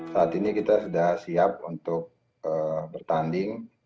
saat ini kita sudah siap untuk bertanding